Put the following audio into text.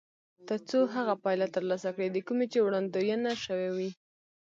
تر څو هغه پایله ترلاسه کړي د کومې چې وړاندوينه شوې وي.